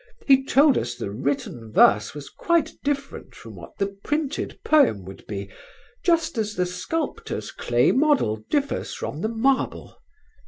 He told us the written verse was quite different from what the printed poem would be just as the sculptor's clay model differs from the marble.